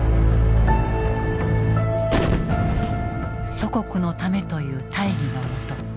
「祖国のため」という大義のもと